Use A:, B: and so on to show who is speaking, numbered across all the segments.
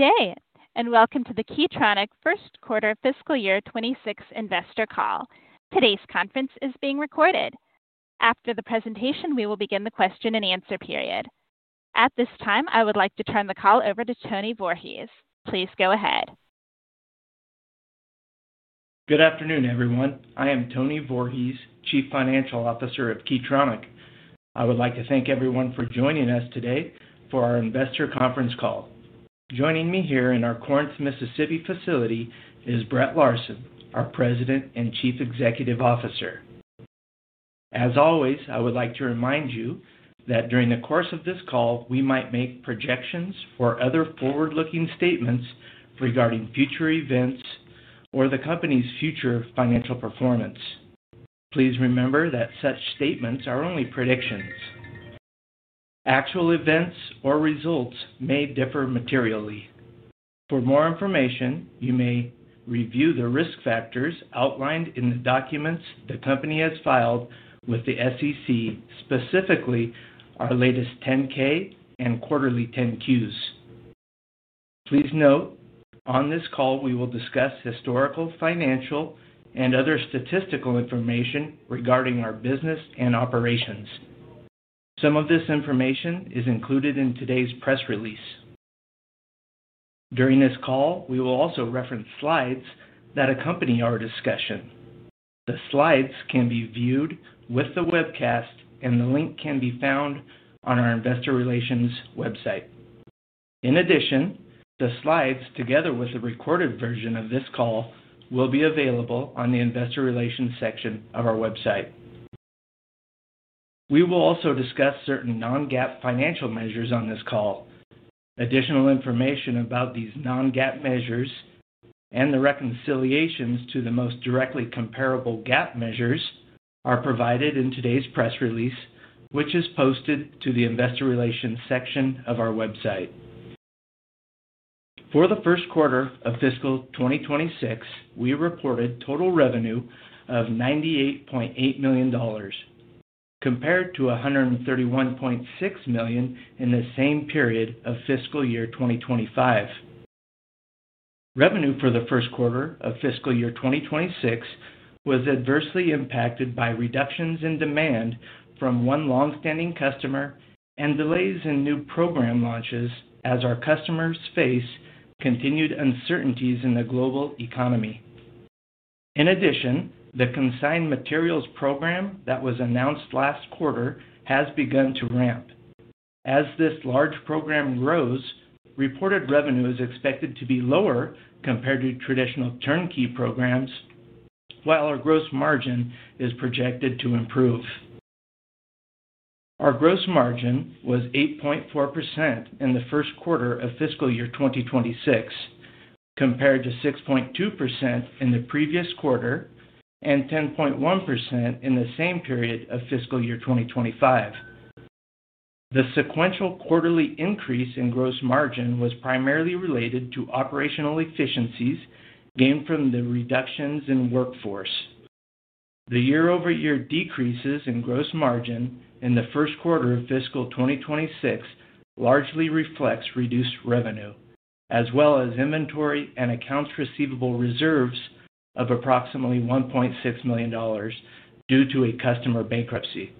A: Good day, and welcome to the Keytronic First Quarter Fiscal Year 2026 Investor Call. Today's conference is being recorded. After the presentation, we will begin the question and answer period. At this time, I would like to turn the call over to Tony Voorhees. Please go ahead.
B: Good afternoon, everyone. I am Tony Voorhees, Chief Financial Officer of Keytronic. I would like to thank everyone for joining us today for our investor conference call. Joining me here in our Corinth, Mississippi facility is Brett Larsen, our President and Chief Executive Officer. As always, I would like to remind you that during the course of this call, we might make projections or other forward-looking statements regarding future events or the company's future financial performance. Please remember that such statements are only predictions. Actual events or results may differ materially. For more information, you may review the risk factors outlined in the documents the company has filed with the SEC, specifically our latest 10-K and quarterly 10-Qs. Please note, on this call, we will discuss historical financial and other statistical information regarding our business and operations. Some of this information is included in today's press release. During this call, we will also reference slides that accompany our discussion. The slides can be viewed with the webcast, and the link can be found on our investor relations website. In addition, the slides, together with the recorded version of this call, will be available on the investor relations section of our website. We will also discuss certain non-GAAP financial measures on this call. Additional information about these non-GAAP measures and the reconciliations to the most directly comparable GAAP measures are provided in today's press release, which is posted to the investor relations section of our website. For the first quarter of fiscal 2026, we reported total revenue of $98.8 million, compared to $131.6 million in the same period of fiscal year 2025. Revenue for the first quarter of fiscal year 2026 was adversely impacted by reductions in demand from one longstanding customer and delays in new program launches, as our customers face continued uncertainties in the global economy. In addition, the consigned materials program that was announced last quarter has begun to ramp. As this large program grows, reported revenue is expected to be lower compared to traditional turnkey programs, while our gross margin is projected to improve. Our gross margin was 8.4% in the first quarter of fiscal year 2026, compared to 6.2% in the previous quarter and 10.1% in the same period of fiscal year 2025. The sequential quarterly increase in gross margin was primarily related to operational efficiencies gained from the reductions in workforce. The year-over-year decreases in gross margin in the first quarter of fiscal year 2026 largely reflects reduced revenue, as well as inventory and accounts receivable reserves of approximately $1.6 million due to a customer bankruptcy.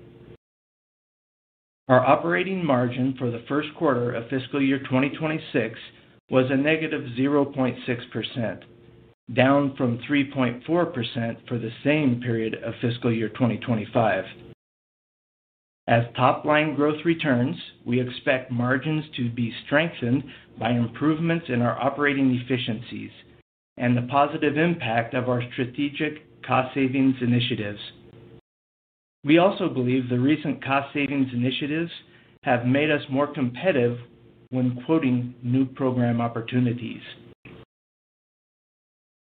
B: Our operating margin for the first quarter of fiscal year 2026 was a negative 0.6%, down from 3.4% for the same period of fiscal year 2025. As top-line growth returns, we expect margins to be strengthened by improvements in our operating efficiencies and the positive impact of our strategic cost savings initiatives. We also believe the recent cost savings initiatives have made us more competitive when quoting new program opportunities.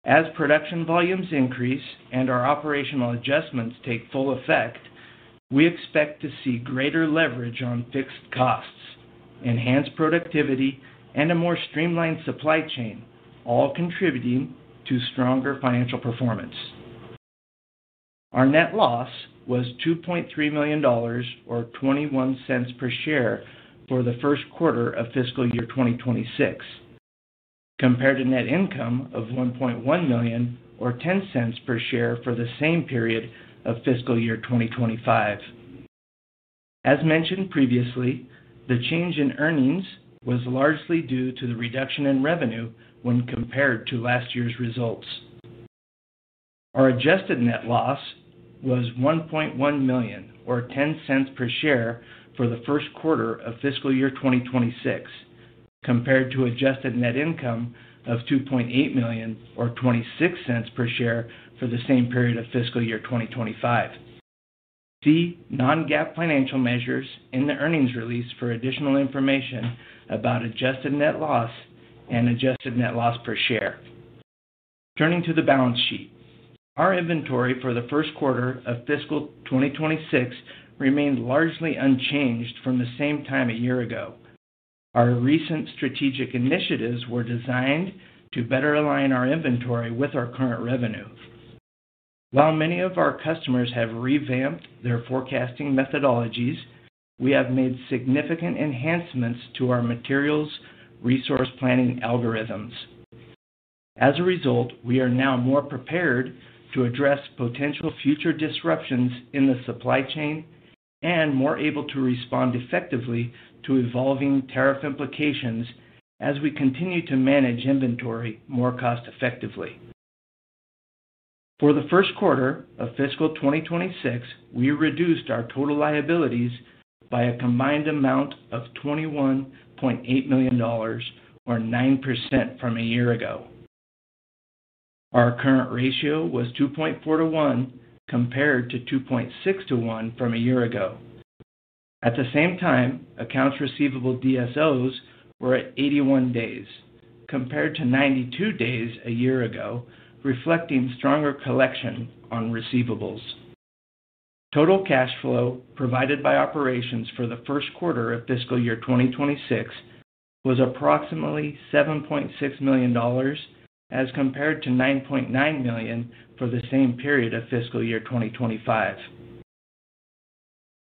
B: As production volumes increase and our operational adjustments take full effect, we expect to see greater leverage on fixed costs, enhanced productivity, and a more streamlined supply chain, all contributing to stronger financial performance. Our net loss was $2.3 million, or $0.21 per share, for the first quarter of fiscal year 2026. Compared to net income of $1.1 million, or $0.10 per share, for the same period of fiscal year 2025. As mentioned previously, the change in earnings was largely due to the reduction in revenue when compared to last year's results. Our adjusted net loss was $1.1 million, or $0.10 per share, for the first quarter of fiscal year 2026. Compared to adjusted net income of $2.8 million, or $0.26 per share, for the same period of fiscal year 2025. See non-GAAP financial measures in the earnings release for additional information about adjusted net loss and adjusted net loss per share. Turning to the balance sheet, our inventory for the first quarter of fiscal 2026 remained largely unchanged from the same time a year ago. Our recent strategic initiatives were designed to better align our inventory with our current revenue. While many of our customers have revamped their forecasting methodologies, we have made significant enhancements to our materials resource planning algorithms. As a result, we are now more prepared to address potential future disruptions in the supply chain and more able to respond effectively to evolving tariff implications as we continue to manage inventory more cost-effectively. For the first quarter of fiscal 2026, we reduced our total liabilities by a combined amount of $21.8 million, or 9% from a year ago. Our current ratio was 2.4 to 1 compared to 2.6 to 1 from a year ago. At the same time, accounts receivable DSOs were at 81 days, compared to 92 days a year ago, reflecting stronger collection on receivables. Total cash flow provided by operations for the first quarter of fiscal year 2026 was approximately $7.6 million. As compared to $9.9 million for the same period of fiscal year 2025.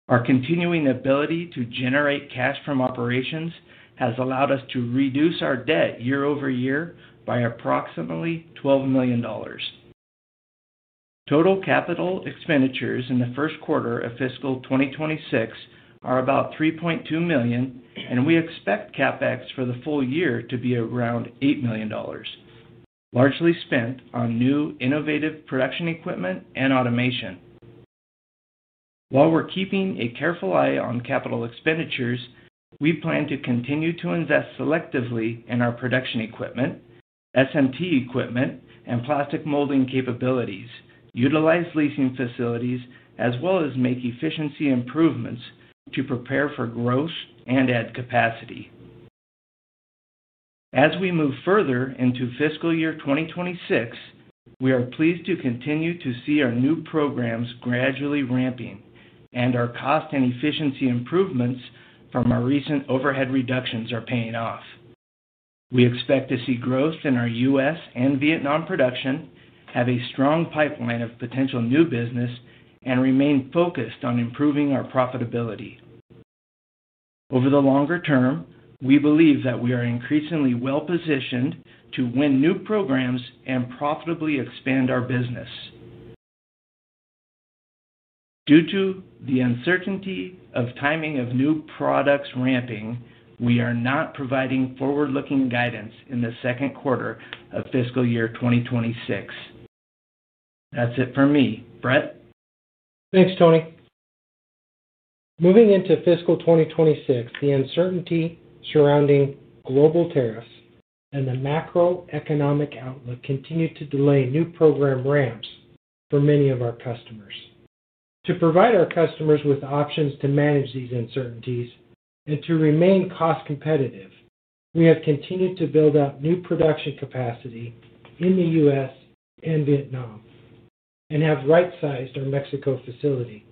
B: Our continuing ability to generate cash from operations has allowed us to reduce our debt year over year by approximately $12 million. Total capital expenditures in the first quarter of fiscal year 2026 are about $3.2 million, and we expect CapEx for the full year to be around $8 million. Largely spent on new innovative production equipment and automation. While we're keeping a careful eye on capital expenditures, we plan to continue to invest selectively in our production equipment, SMT equipment, and plastic molding capabilities, utilize leasing facilities, as well as make efficiency improvements to prepare for growth and add capacity. As we move further into fiscal year 2026, we are pleased to continue to see our new programs gradually ramping, and our cost and efficiency improvements from our recent overhead reductions are paying off. We expect to see growth in our U.S. and Vietnam production, have a strong pipeline of potential new business, and remain focused on improving our profitability. Over the longer term, we believe that we are increasingly well-positioned to win new programs and profitably expand our business. Due to the uncertainty of timing of new products ramping, we are not providing forward-looking guidance in the second quarter of fiscal year 2026. That's it for me. Brett.
C: Thanks, Tony. Moving into fiscal 2026, the uncertainty surrounding global tariffs and the macroeconomic outlook continue to delay new program ramps for many of our customers. To provide our customers with options to manage these uncertainties and to remain cost competitive, we have continued to build up new production capacity in the U.S. and Vietnam. And have right-sized our Mexico facility.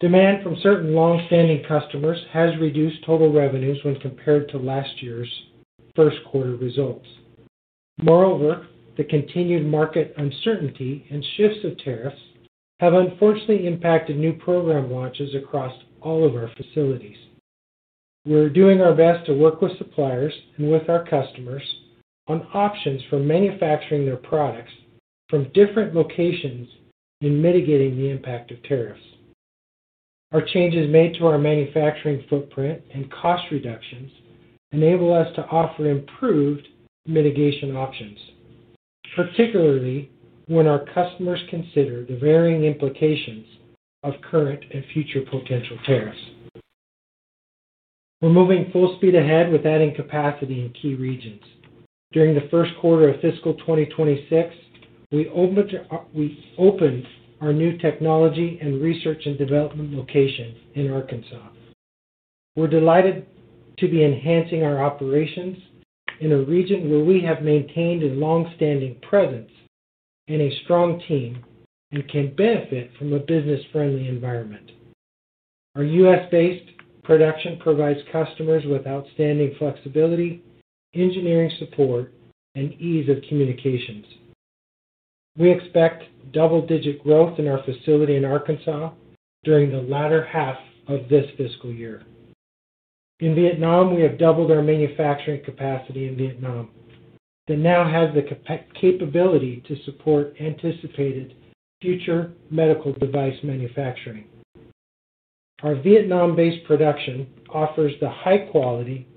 C: Demand from certain longstanding customers has reduced total revenues when compared to last year's first quarter results. Moreover, the continued market uncertainty and shifts of tariffs have unfortunately impacted new program launches across all of our facilities. We're doing our best to work with suppliers and with our customers on options for manufacturing their products from different locations and mitigating the impact of tariffs. Our changes made to our manufacturing footprint and cost reductions enable us to offer improved mitigation options, particularly when our customers consider the varying implications of current and future potential tariffs. We're moving full speed ahead with adding capacity in key regions. During the first quarter of fiscal 2026, we opened our new technology and research and development location in Arkansas. We're delighted to be enhancing our operations in a region where we have maintained a longstanding presence and a strong team and can benefit from a business-friendly environment. Our U.S.-based production provides customers with outstanding flexibility, engineering support, and ease of communications. We expect double-digit growth in our facility in Arkansas during the latter half of this fiscal year. In Vietnam, we have doubled our manufacturing capacity in Vietnam. That now has the capability to support anticipated future medical device manufacturing. Our Vietnam-based production offers the high-quality,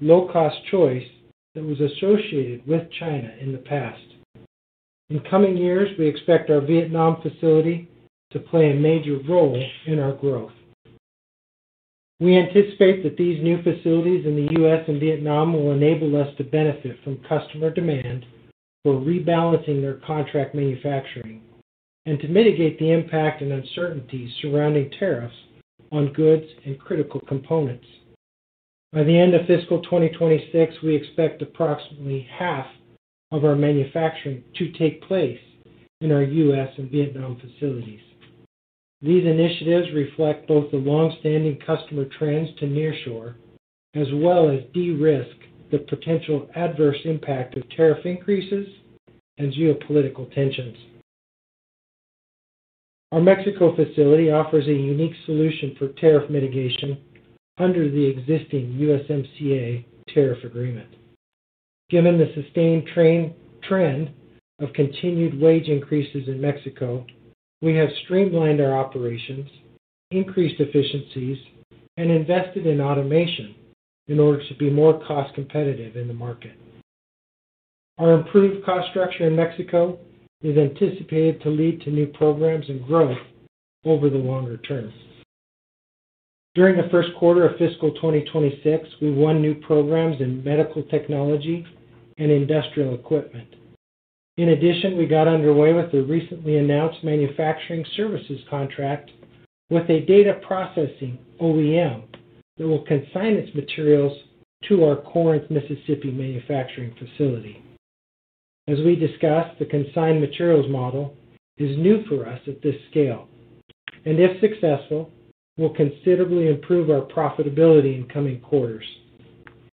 C: low-cost choice that was associated with China in the past. In coming years, we expect our Vietnam facility to play a major role in our growth. We anticipate that these new facilities in the U.S. and Vietnam will enable us to benefit from customer demand for rebalancing their contract manufacturing and to mitigate the impact and uncertainties surrounding tariffs on goods and critical components. By the end of fiscal 2026, we expect approximately half of our manufacturing to take place in our U.S. and Vietnam facilities. These initiatives reflect both the longstanding customer trends to nearshore as well as de-risk the potential adverse impact of tariff increases and geopolitical tensions. Our Mexico facility offers a unique solution for tariff mitigation under the existing USMCA tariff agreement. Given the sustained trend of continued wage increases in Mexico, we have streamlined our operations, increased efficiencies, and invested in automation in order to be more cost competitive in the market. Our improved cost structure in Mexico is anticipated to lead to new programs and growth over the longer term. During the first quarter of fiscal 2026, we won new programs in medical technology and industrial equipment. In addition, we got underway with the recently announced manufacturing services contract with a data processing OEM that will consign its materials to our Corinth, Mississippi manufacturing facility. As we discussed, the consigned materials model is new for us at this scale, and if successful, will considerably improve our profitability in coming quarters.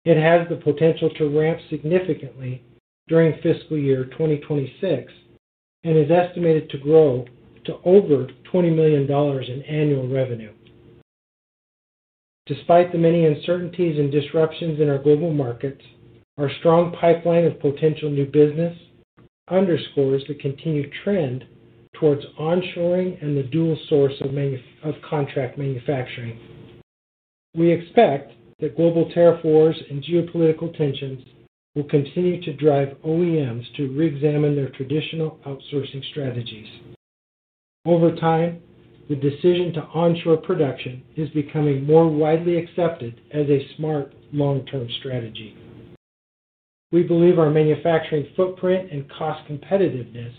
C: It has the potential to ramp significantly during fiscal year 2026, and is estimated to grow to over $20 million in annual revenue. Despite the many uncertainties and disruptions in our global markets, our strong pipeline of potential new business underscores the continued trend towards onshoring and the dual source of contract manufacturing. We expect that global tariff wars and geopolitical tensions will continue to drive OEMs to re-examine their traditional outsourcing strategies. Over time, the decision to onshore production is becoming more widely accepted as a smart long-term strategy. We believe our manufacturing footprint and cost competitiveness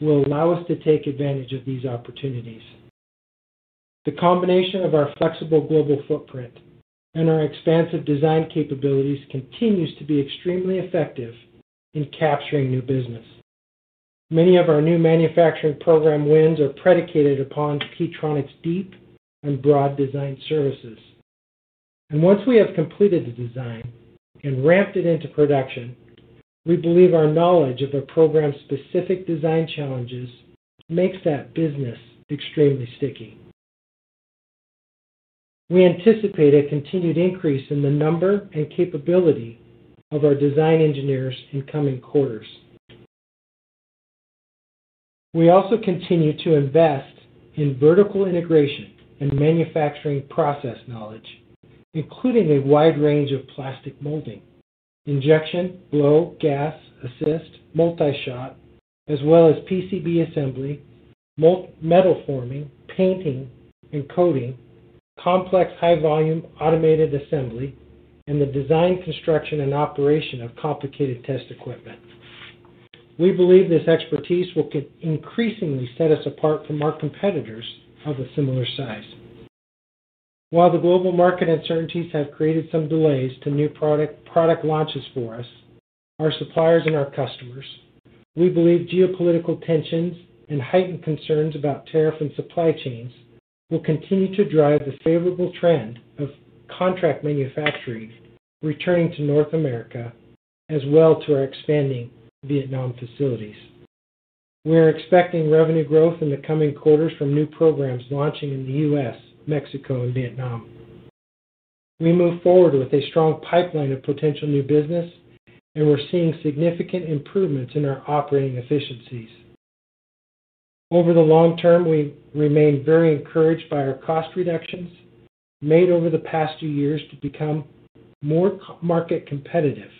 C: will allow us to take advantage of these opportunities. The combination of our flexible global footprint and our expansive design capabilities continues to be extremely effective in capturing new business. Many of our new manufacturing program wins are predicated upon Keytronic's deep and broad design services, and once we have completed the design and ramped it into production, we believe our knowledge of our program-specific design challenges makes that business extremely sticky. We anticipate a continued increase in the number and capability of our design engineers in coming quarters. We also continue to invest in vertical integration and manufacturing process knowledge, including a wide range of plastic molding, injection, blow, gas, assist, multi-shot, as well as PCB assembly, metal forming, painting, and coating, complex high-volume automated assembly, and the design, construction, and operation of complicated test equipment. We believe this expertise will increasingly set us apart from our competitors of a similar size. While the global market uncertainties have created some delays to new product launches for us, our suppliers and our customers, we believe geopolitical tensions and heightened concerns about tariff and supply chains will continue to drive the favorable trend of contract manufacturing returning to North America, as well as to our expanding Vietnam facilities. We are expecting revenue growth in the coming quarters from new programs launching in the U.S., Mexico, and Vietnam. We move forward with a strong pipeline of potential new business, and we're seeing significant improvements in our operating efficiencies. Over the long term, we remain very encouraged by our cost reductions made over the past few years to become more market competitive,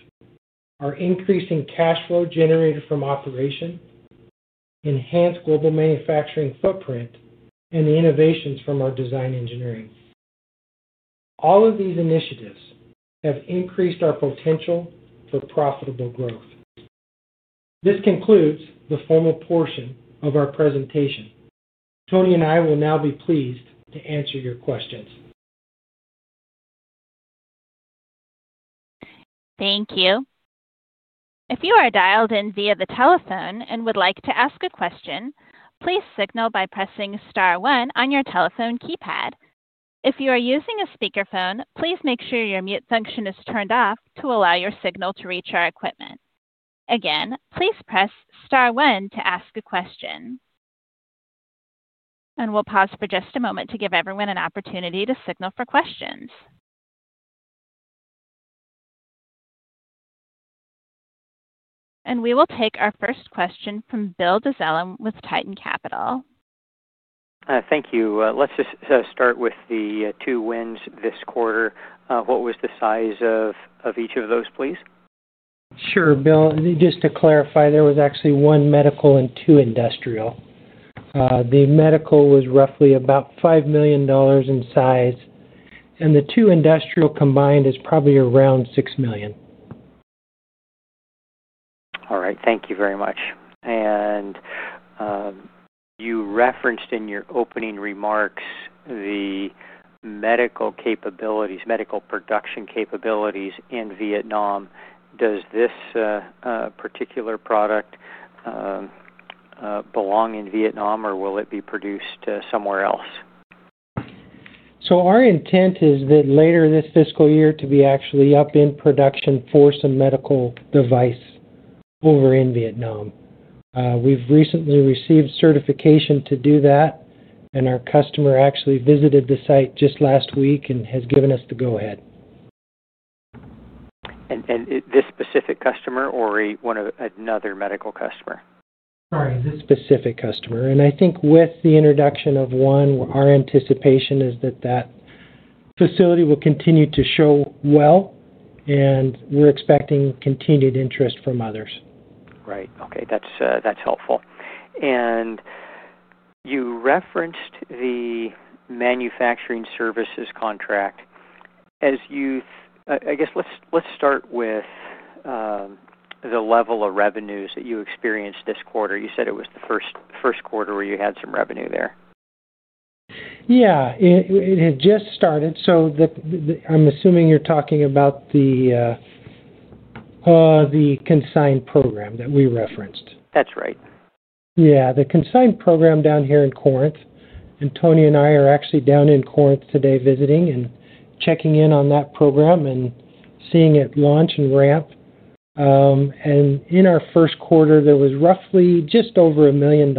C: our increasing cash flow generated from operations, enhanced global manufacturing footprint, and the innovations from our design engineering. All of these initiatives have increased our potential for profitable growth. This concludes the formal portion of our presentation. Tony and I will now be pleased to answer your questions.
A: Thank you. If you are dialed in via the telephone and would like to ask a question, please signal by pressing Star 1 on your telephone keypad. If you are using a speakerphone, please make sure your mute function is turned off to allow your signal to reach our equipment. Again, please press star one to ask a question. And we'll pause for just a moment to give everyone an opportunity to signal for questions. And we will take our first question from Bill Dezellem with Titan Capital.
D: Thank you. Let's just start with the two wins this quarter. What was the size of each of those, please?
C: Sure, Bill. Just to clarify, there was actually one medical and two industrial. The medical was roughly about $5 million in size, and the two industrial combined is probably around $6 million.
D: All right. Thank you very much. And you referenced in your opening remarks the medical production capabilities in Vietnam. Does this particular product belong in Vietnam, or will it be produced somewhere else?
C: So our intent is that later this fiscal year, to be actually up in production for some medical device over in Vietnam. We've recently received certification to do that. And our customer actually visited the site just last week and has given us the go-ahead.
D: And this specific customer or another medical customer?
C: Sorry, this specific customer. And I think with the introduction of one, our anticipation is that that facility will continue to show well. And we're expecting continued interest from others.
D: Right. Okay. That's helpful. And you referenced the manufacturing services contract. I guess let's start with the level of revenues that you experienced this quarter. You said it was the first quarter where you had some revenue there.
C: Yeah. It had just started. So I'm assuming you're talking about the consigned program that we referenced.
D: That's right.
C: Yeah. The consigned program down here in Corinth, and Tony and I are actually down in Corinth today visiting and checking in on that program and seeing it launch and ramp. In our first quarter, there was roughly just over $1 million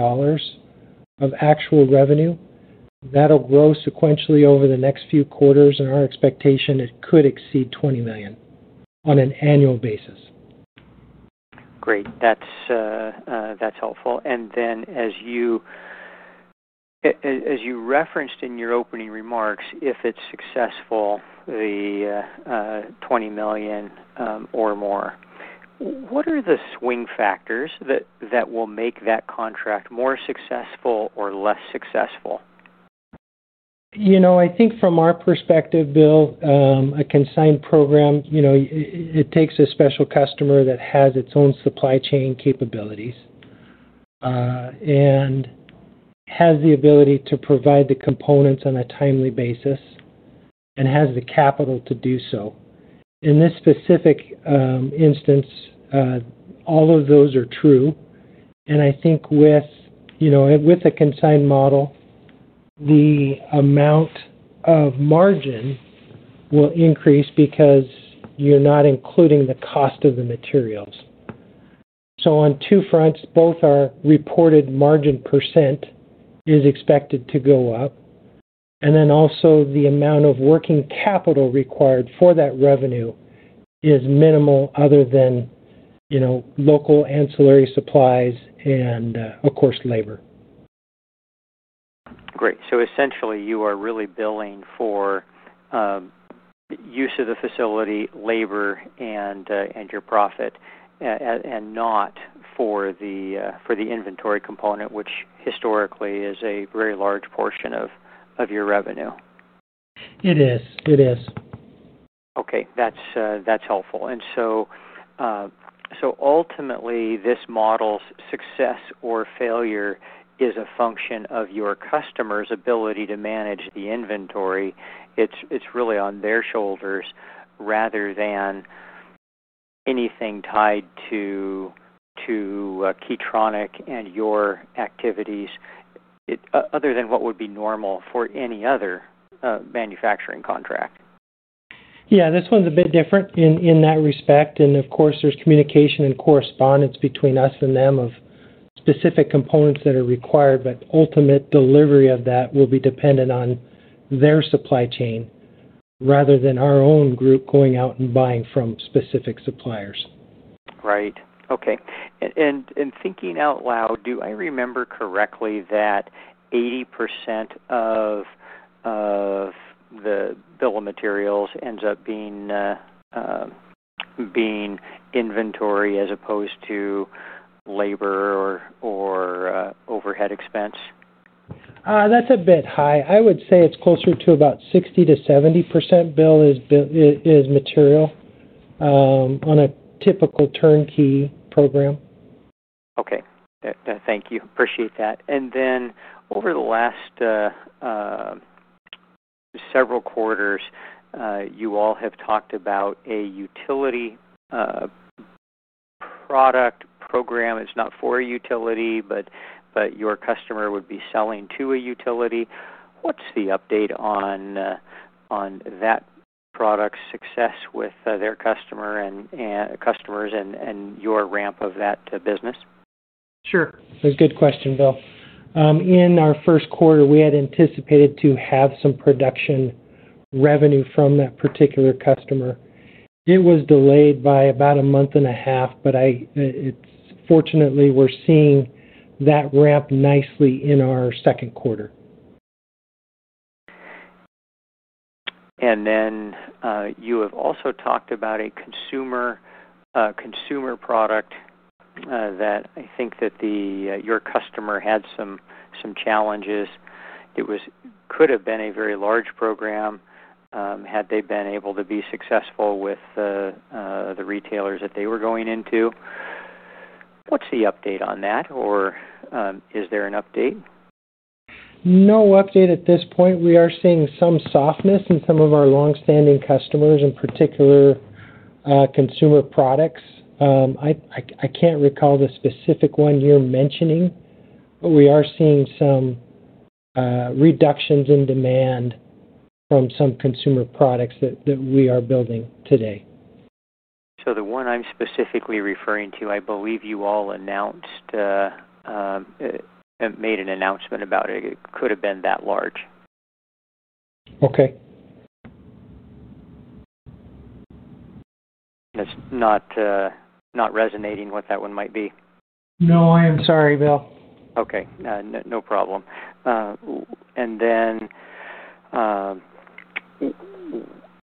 C: of actual revenue. That'll grow sequentially over the next few quarters, and our expectation it could exceed $20 million on an annual basis.
D: Great. That's helpful. And then as you referenced in your opening remarks, if it's successful, the $20 million or more, what are the swing factors that will make that contract more successful or less successful?
C: I think from our perspective, Bill, a consigned program. It takes a special customer that has its own supply chain capabilities. And has the ability to provide the components on a timely basis and has the capital to do so. In this specific instance, all of those are true. And I think with a consigned model, the amount of margin will increase because you're not including the cost of the materials. So on two fronts, both our reported margin percent is expected to go up. And then also the amount of working capital required for that revenue is minimal other than local ancillary supplies and, of course, labor.
D: Great. So essentially, you are really billing for use of the facility, labor, and your profit. And not for the inventory component, which historically is a very large portion of your revenue.
C: It is. It is.
D: Okay. That's helpful. And so, ultimately, this model's success or failure is a function of your customer's ability to manage the inventory. It's really on their shoulders rather than anything tied to Keytronic and your activities, other than what would be normal for any other manufacturing contract.
C: Yeah. This one's a bit different in that respect. And of course, there's communication and correspondence between us and them of specific components that are required, but ultimate delivery of that will be dependent on their supply chain rather than our own group going out and buying from specific suppliers.
D: Right. Okay and thinking out loud, do I remember correctly that 80% of the bill of materials ends up being inventory as opposed to labor or overhead expense?
C: That's a bit high. I would say it's closer to about 60%-70%, Bill, is material on a typical turnkey program.
D: Okay. Thank you. Appreciate that. And then over the last several quarters, you all have talked about a utility product program. It's not for a utility, but your customer would be selling to a utility. What's the update on that product's success with their customers and your ramp of that business?
C: Sure. That's a good question, Bill. In our first quarter, we had anticipated to have some production. Revenue from that particular customer. It was delayed by about a month and a half, but. Fortunately, we're seeing that ramp nicely in our second quarter.
D: And then you have also talked about a consumer product that I think that your customer had some challenges. It could have been a very large program had they been able to be successful with the retailers that they were going into. What's the update on that, or is there an update?
C: No update at this point. We are seeing some softness in some of our longstanding customers, in particular, consumer products. I can't recall the specific one you're mentioning, but we are seeing some reductions in demand from some consumer products that we are building today.
D: So the one I'm specifically referring to, I believe you all announced. Made an announcement about it. It could have been that large.
C: Okay.
D: That's not resonating. What that one might be?
C: No, I am sorry, Bill.
D: Okay. No problem. And then,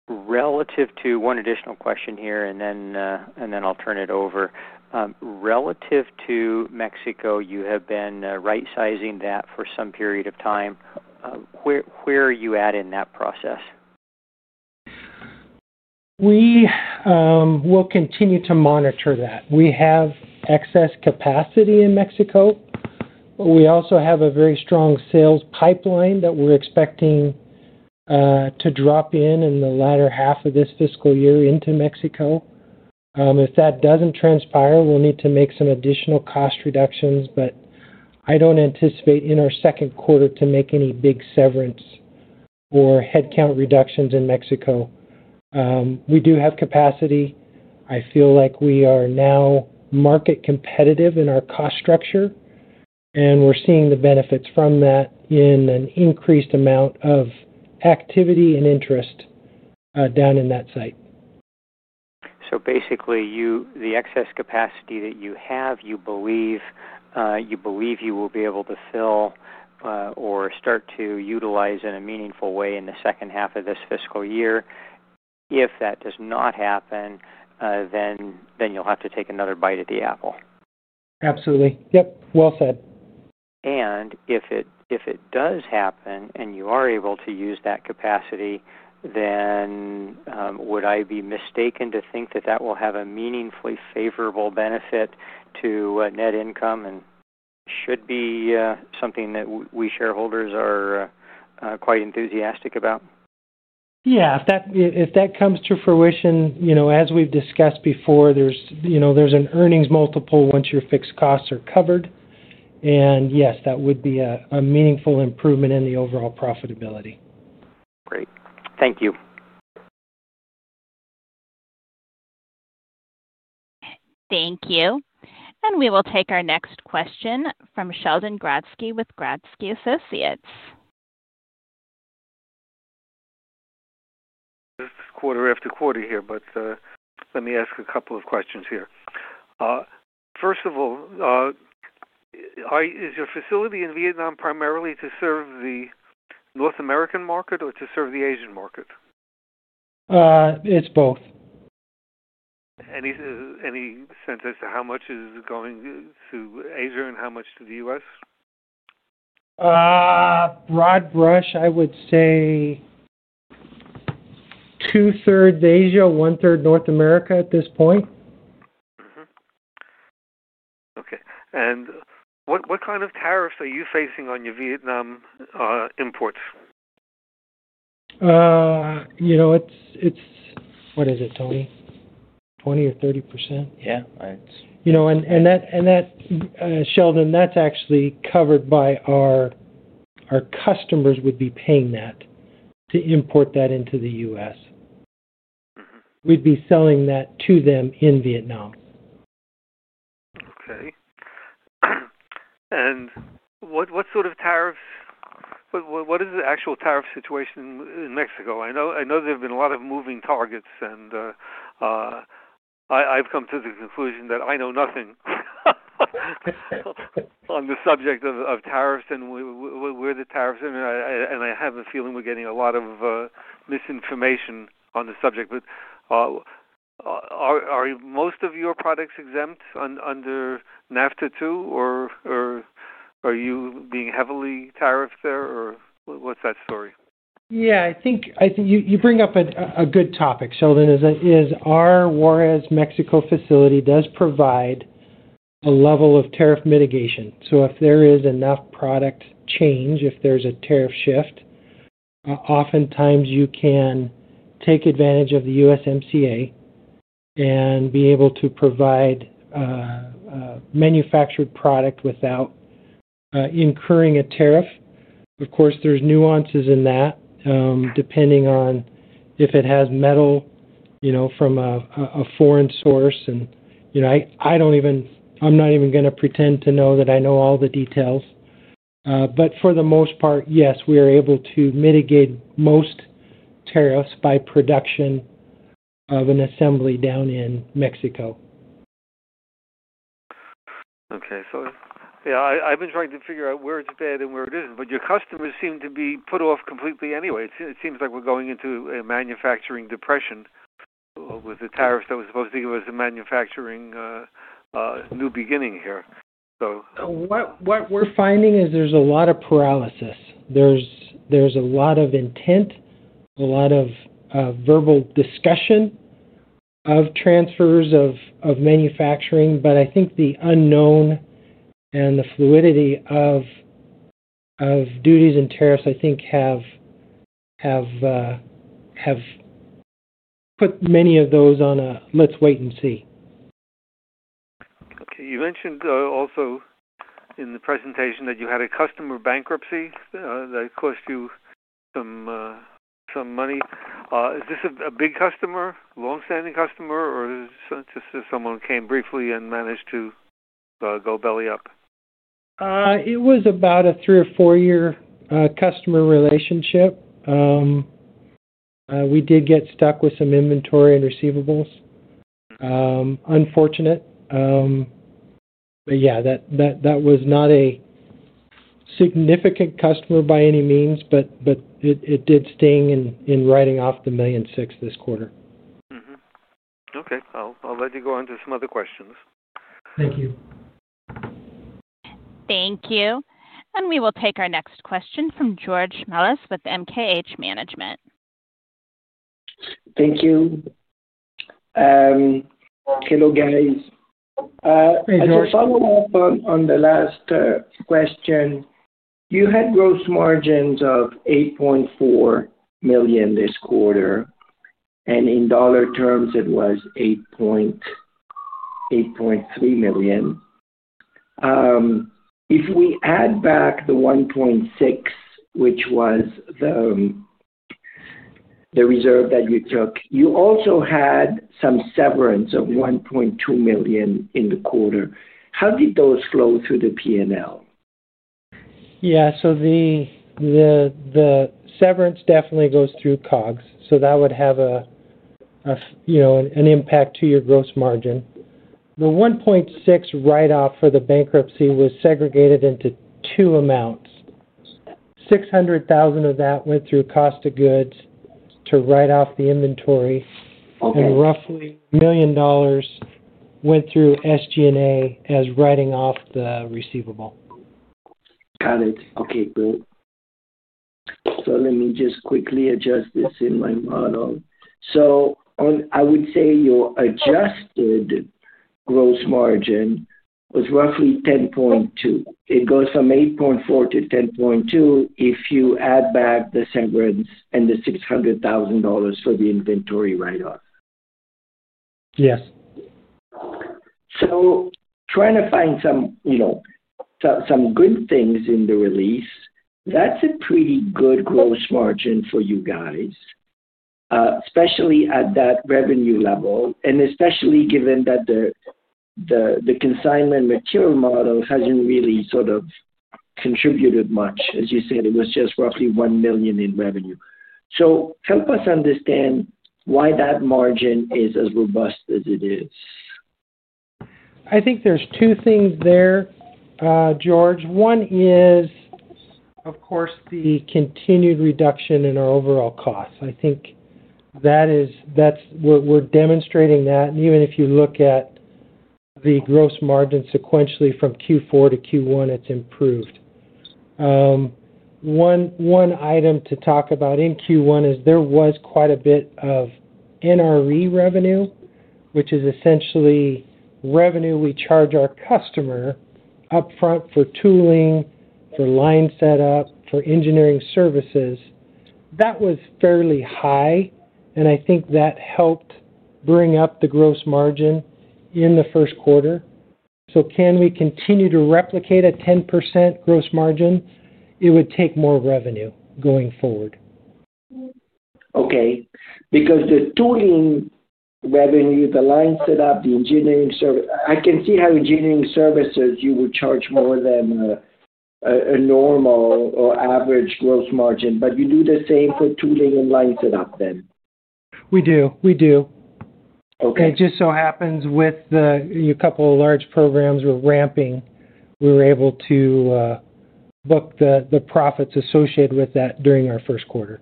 D: relative to one additional question here, and then I'll turn it over. Relative to Mexico, you have been right-sizing that for some period of time. Where are you at in that process?
C: We will continue to monitor that. We have excess capacity in Mexico. We also have a very strong sales pipeline that we're expecting to drop in the latter half of this fiscal year into Mexico. If that doesn't transpire, we'll need to make some additional cost reductions, but I don't anticipate in our second quarter to make any big severance or headcount reductions in Mexico. We do have capacity. I feel like we are now market competitive in our cost structure. We're seeing the benefits from that in an increased amount of activity and interest down in that site.
D: So basically, the excess capacity that you have, you believe you will be able to fill or start to utilize in a meaningful way in the second half of this fiscal year. If that does not happen, then you'll have to take another bite at the apple.
C: Absolutely. Yep. Well said.
D: And if it does happen and you are able to use that capacity, then would I be mistaken to think that that will have a meaningfully favorable benefit to net income and should be something that we shareholders are quite enthusiastic about?
C: Yeah. If that comes to fruition, as we've discussed before, there's an earnings multiple once your fixed costs are covered. And yes, that would be a meaningful improvement in the overall profitability.
D: Great. Thank you.
A: Thank you. And we will take our next question from Sheldon Grodsky with Grodsky Associates.
E: This is quarter after quarter here, but let me ask a couple of questions here. First of all. Is your facility in Vietnam primarily to serve the North American market or to serve the Asian market?
C: It's both.
E: Any sense as to how much is going to Asia and how much to the US?
C: Broad brush, I would say. Two-thirds Asia, one-third North America at this point.
E: Okay. And what kind of tariffs are you facing on your Vietnam imports?
C: It's—what is it, Tony? 20% or 30%?
E: Yeah.
C: Sheldon, that's actually covered by our customers would be paying that to import that into the U.S. We'd be selling that to them in Vietnam.
E: Okay. And what sort of tariffs - what is the actual tariff situation in Mexico? I know there have been a lot of moving targets, and I've come to the conclusion that I know nothing on the subject of tariffs and where the tariffs - and I have a feeling we're getting a lot of misinformation on the subject. But are most of your products exempt under NAFTA II, or are you being heavily tariffed there, or what's that story?
C: Yeah. I think you bring up a good topic, Sheldon, is our Juarez, Mexico facility does provide a level of tariff mitigation. So if there is enough product change, if there's a tariff shift, oftentimes you can take advantage of the USMCA and be able to provide manufactured product without incurring a tariff. Of course, there's nuances in that depending on if it has metal from a foreign source. And I'm not even going to pretend to know that I know all the details. But for the most part, yes, we are able to mitigate most tariffs by production of an assembly down in Mexico.
E: Okay. So yeah, I've been trying to figure out where it's bad and where it isn't, but your customers seem to be put off completely anyway. It seems like we're going into a manufacturing depression. With the tariffs that were supposed to give us a manufacturing new beginning here, so.
C: What we're finding is there's a lot of paralysis. There's a lot of intent, a lot of verbal discussion of transfers of manufacturing, but I think the unknown and the fluidity of duties and tariffs, I think, have put many of those on a, "Let's wait and see.
E: Okay. You mentioned also in the presentation that you had a customer bankruptcy that cost you some money. Is this a big customer, longstanding customer, or is it just someone who came briefly and managed to go belly up?
C: It was about a three or four-year customer relationship. We did get stuck with some inventory and receivables. Unfortunate, but yeah, that was not a significant customer by any means, but it did sting in writing off the $1.6 million this quarter.
E: Okay. I'll let you go on to some other questions.
C: Thank you.
A: Thank you. And we will take our next question from George Melas with MKH Management.
F: Thank you. Hello, guys.
E: Hello.
F: As a follow-up on the last question, you had gross margins of 8.4% this quarter, and in dollar terms, it was $8.3 million. If we add back the $1.6, which was the reserve that you took, you also had some severance of $1.2 million in the quarter. How did those flow through the P&L?
C: Yeah. So, the severance definitely goes through COGS. So that would have an impact to your gross margin. The $1.6 million write-off for the bankruptcy was segregated into two amounts. $600,000 of that went through cost of goods to write off the inventory, and roughly $1 million went through SG&A as writing off the receivable.
F: Got it. Okay. Great. So let me just quickly adjust this in my model. So I would say your adjusted gross margin was roughly 10.2%. It goes from 8.4% to 10.2% if you add back the severance and the $600,000 for the inventory write-off.
C: Yes.
F: So, trying to find some good things in the release, that's a pretty good gross margin for you guys, especially at that revenue level, and especially given that the consigned material model hasn't really sort of contributed much. As you said, it was just roughly $1 million in revenue. So help us understand why that margin is as robust as it is.
C: I think there's two things there, George. One is, of course, the continued reduction in our overall costs. I think we're demonstrating that. And even if you look at the gross margin sequentially from Q4 to Q1, it's improved. One item to talk about in Q1 is there was quite a bit of NRE revenue, which is essentially revenue we charge our customer upfront for tooling, for line setup, for engineering services. That was fairly high, and I think that helped bring up the gross margin in the first quarter. So can we continue to replicate a 10% gross margin? It would take more revenue going forward.
F: Okay. Because the tooling revenue, the line setup, the engineering service, I can see how engineering services you would charge more than a normal or average gross margin, but you do the same for tooling and line setup then.
C: We do. We do. It just so happens with a couple of large programs with ramping, we were able to book the profits associated with that during our first quarter.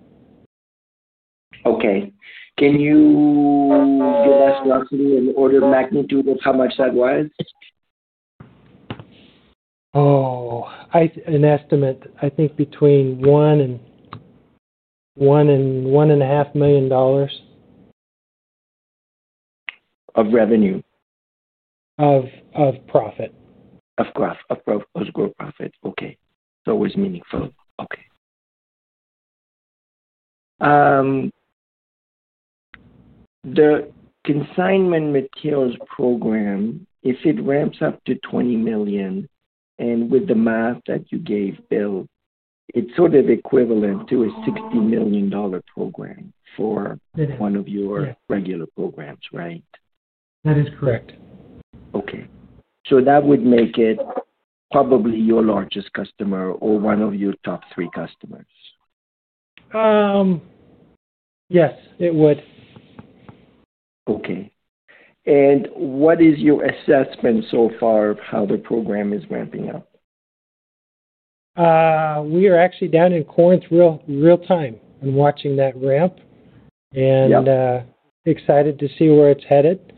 F: Okay. Can you give us roughly an order of magnitude of how much that was?
C: Oh, an estimate, I think, between $1 million and $1.5 million.
F: Of revenue?
C: Of profit.
F: Of profit. Okay. So it was meaningful. Okay. The consigned materials program, if it ramps up to $20 million, and with the math that you gave, Bill, it's sort of equivalent to a $60 million program for one of your regular programs, right?
C: That is correct.
F: Okay. So that would make it probably your largest customer or one of your top three customers.
C: Yes, it would.
F: Okay. And what is your assessment so far of how the program is ramping up?
C: We are actually down in Corinth real-time and watching that ramp, and excited to see where it's headed.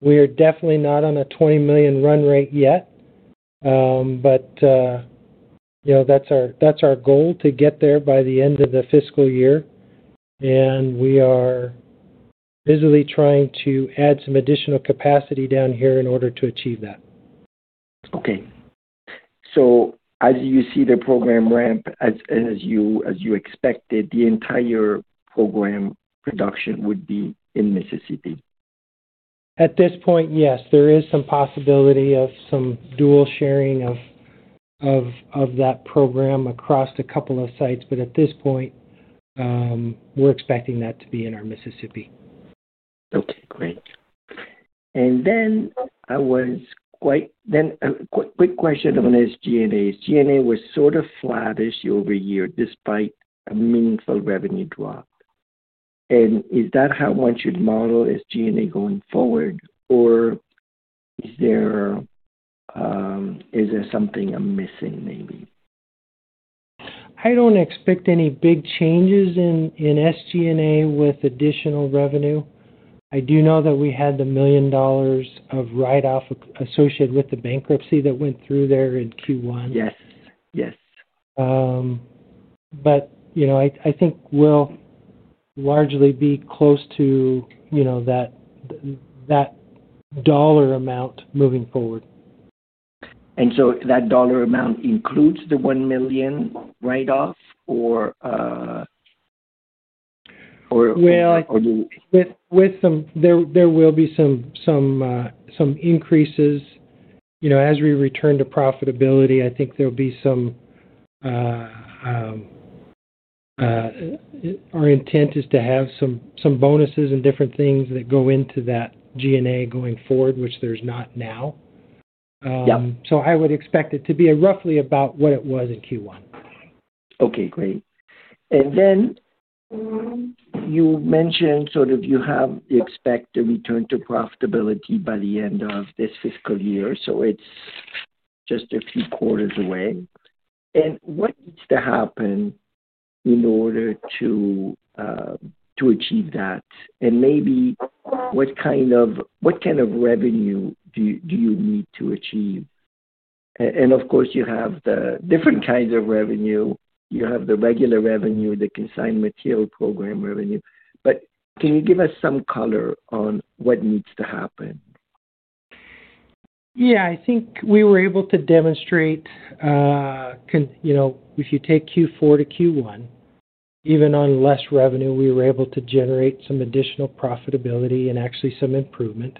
C: We are definitely not on a $20 million run rate yet, but that's our goal to get there by the end of the fiscal year, and we are busily trying to add some additional capacity down here in order to achieve that.
F: Okay. So as you see the program ramp, as you expected, the entire program production would be in Mississippi?
C: At this point, yes. There is some possibility of some dual sharing of that program across a couple of sites. But at this point, we're expecting that to be in our Mississippi.
F: Okay. Great. And then quick question on SG&A. SG&A was sort of flattish over a year despite a meaningful revenue drop. And is that how one should model SG&A going forward, or is there something I'm missing maybe?
C: I don't expect any big changes in SG&A with additional revenue. I do know that we had $1 million of write-off associated with the bankruptcy that went through there in Q1.
F: Yes. Yes.
C: But I think we'll largely be close to that dollar amount moving forward.
F: And so that dollar amount includes the $1 million write-off, or?
C: Well, there will be some increases. As we return to profitability, I think there'll be some. Our intent is to have some bonuses and different things that go into that G&A going forward, which there's not now. So I would expect it to be roughly about what it was in Q1.
F: Okay. Great. And then you mentioned sort of you expect a return to profitability by the end of this fiscal year. So it's just a few quarters away. And what needs to happen in order to achieve that? And maybe what kind of revenue do you need to achieve? And of course, you have the different kinds of revenue. You have the regular revenue, the consigned materials program revenue. But can you give us some color on what needs to happen?
C: Yeah. I think we were able to demonstrate. If you take Q4 to Q1, even on less revenue, we were able to generate some additional profitability and actually some improvement.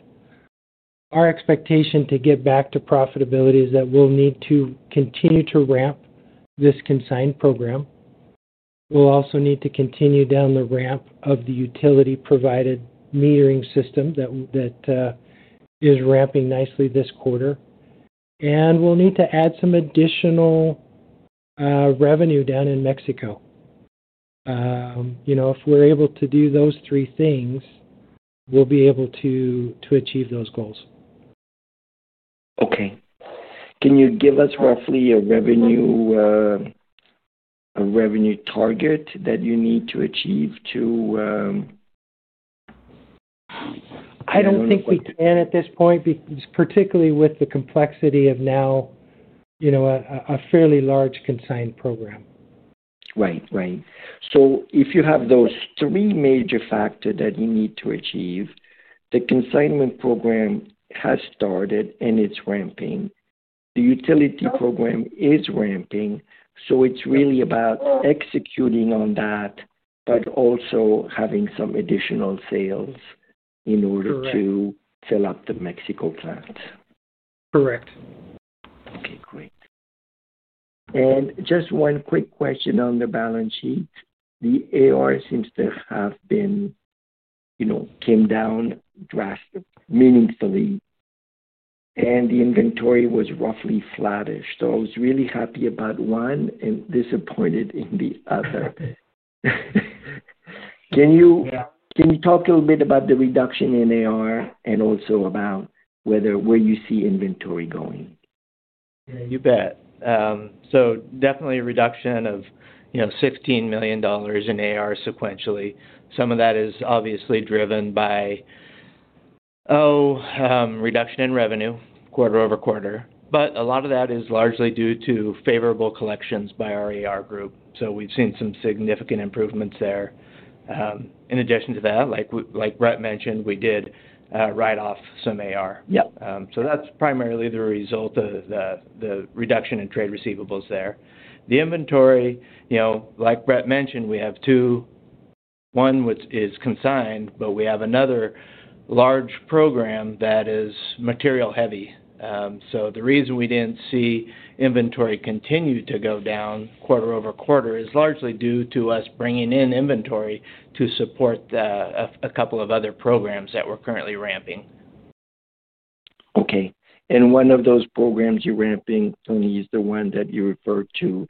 C: Our expectation to get back to profitability is that we'll need to continue to ramp this consigned program. We'll also need to continue down the ramp of the utility-provided metering system that is ramping nicely this quarter. And we'll need to add some additional revenue down in Mexico. If we're able to do those three things, we'll be able to achieve those goals.
F: Okay. Can you give us roughly a revenue target that you need to achieve to?
C: I don't think we can at this point, particularly with the complexity of now. A fairly large consigned program.
F: Right. Right. So if you have those three major factors that you need to achieve, the consignment program has started and it's ramping. The utility program is ramping. So it's really about executing on that, but also having some additional sales in order to fill up the Mexico plants.
C: Correct.
F: Okay. Great. And just one quick question on the balance sheet. The AR came down drastically, meaningfully. And the inventory was roughly flattish. So I was really happy about one and disappointed in the other. Can you talk a little bit about the reduction in AR and also about where you see inventory going?
B: You bet. So definitely a reduction of $16 million in AR sequentially. Some of that is obviously driven by. Oh, reduction in revenue quarter over quarter. But a lot of that is largely due to favorable collections by our AR group. So we've seen some significant improvements there. In addition to that, like Brett mentioned, we did write off some AR. So that's primarily the result of the reduction in trade receivables there. The inventory, like Brett mentioned, we have two. One which is consigned, but we have another large program that is material-heavy. So the reason we didn't see inventory continue to go down quarter over quarter is largely due to us bringing in inventory to support a couple of other programs that we're currently ramping.
F: Okay. And one of those programs you're ramping on is the one that you referred to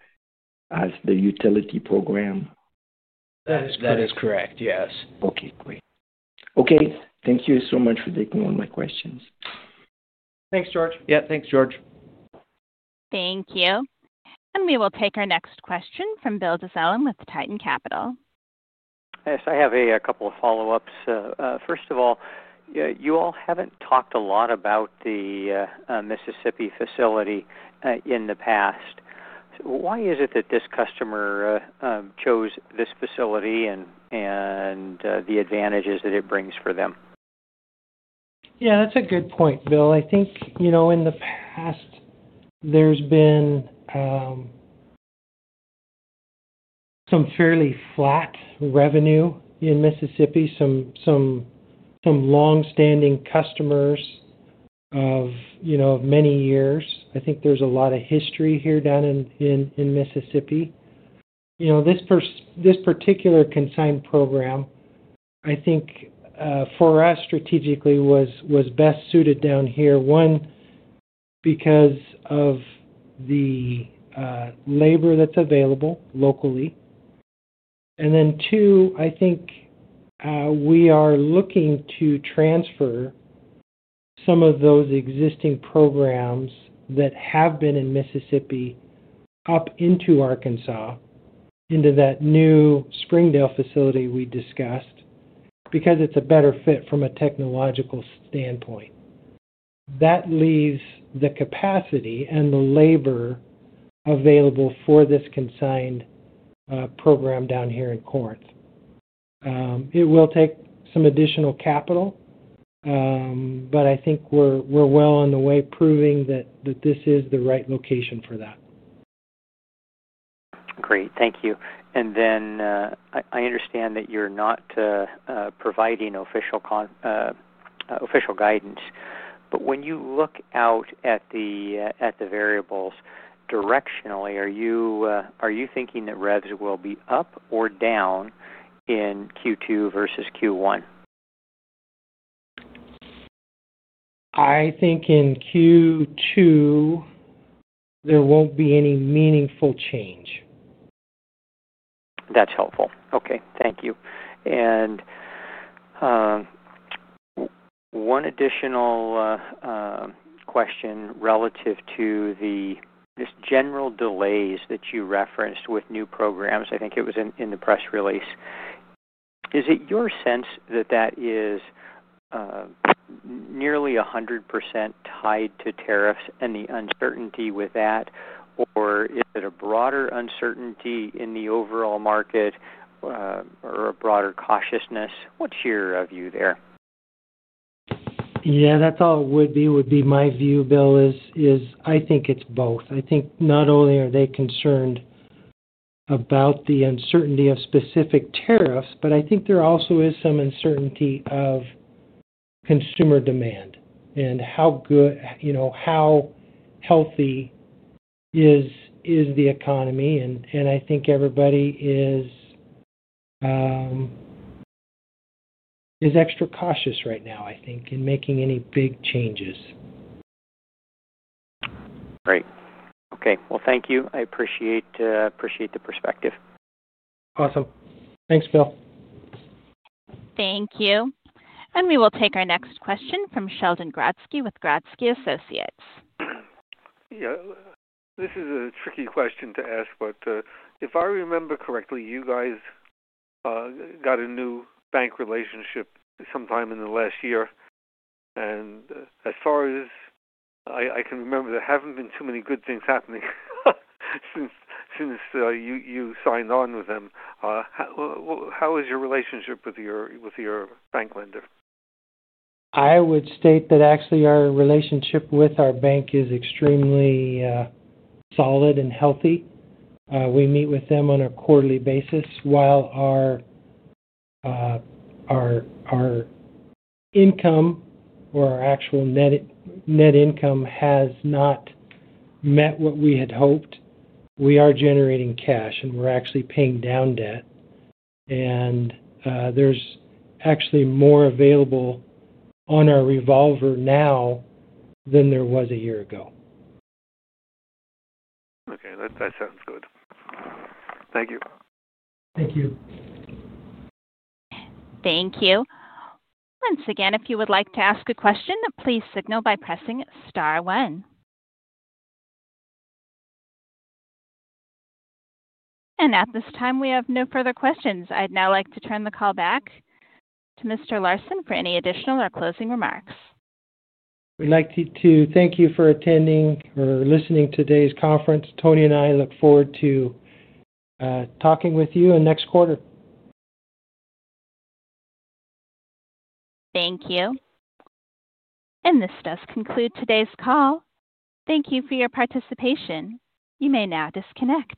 F: as the utility program?
C: That is correct. Yes.
F: Okay. Great. Okay. Thank you so much for taking all my questions.
B: Thanks, George. Yeah. Thanks, George.
A: Thank you, and we will take our next question from Bill Dezellem with Titan Capital.
D: Yes. I have a couple of follow-ups. First of all, you all haven't talked a lot about the Mississippi facility in the past. Why is it that this customer chose this facility and the advantages that it brings for them?
C: Yeah. That's a good point, Bill. I think in the past there's been some fairly flat revenue in Mississippi, some long-standing customers of many years. I think there's a lot of history here down in Mississippi. This particular consigned program, I think, for us strategically was best suited down here, one, because of the labor that's available locally. And then two, I think we are looking to transfer some of those existing programs that have been in Mississippi up into Arkansas, into that new Springdale facility we discussed, because it's a better fit from a technological standpoint. That leaves the capacity and the labor available for this consigned program down here in Corinth. It will take some additional capital, but I think we're well on the way proving that this is the right location for that.
D: Great. Thank you. And then I understand that you're not providing official guidance. But when you look out at the variables directionally, are you thinking that revs will be up or down in Q2 versus Q1?
C: I think in Q2 there won't be any meaningful change.
D: That's helpful. Okay. Thank you and one additional question relative to the just general delays that you referenced with new programs. I think it was in the press release. Is it your sense that that is nearly 100% tied to tariffs and the uncertainty with that, or is it a broader uncertainty in the overall market or a broader cautiousness? What's your view there?
C: Yeah. That's all would be my view, Bill, is I think it's both. I think not only are they concerned about the uncertainty of specific tariffs, but I think there also is some uncertainty of consumer demand and how healthy is the economy. And I think everybody is extra cautious right now, I think, in making any big changes.
D: Great. Okay. Well, thank you. I appreciate the perspective.
C: Awesome. Thanks, Bill.
A: Thank you, and we will take our next question from Sheldon Grodsky with Grodsky Associates.
E: Yeah. This is a tricky question to ask, but if I remember correctly, you guys got a new bank relationship sometime in the last year. And as far as I can remember, there haven't been too many good things happening since you signed on with them. How is your relationship with your bank lender?
C: I would state that actually our relationship with our bank is extremely solid and healthy. We meet with them on a quarterly basis. While our income or our actual net income has not met what we had hoped, we are generating cash, and we're actually paying down debt, and there's actually more available on our revolver now than there was a year ago.
E: Okay. That sounds good. Thank you.
C: Thank you.
A: Thank you. Once again, if you would like to ask a question, please signal by pressing star one. And at this time, we have no further questions. I'd now like to turn the call back to Mr. Larsen for any additional or closing remarks.
C: We'd like to thank you for attending or listening to today's conference. Tony and I look forward to talking with you in next quarter.
A: Thank you. And this does conclude today's call. Thank you for your participation. You may now disconnect.